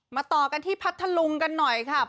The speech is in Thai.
มาต่อกันที่พัตค์ทะลุงกันหน่อยครับ